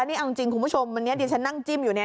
นี่จริงคุณผู้ชมวันนี้ฉันนั่งจิ้มอยู่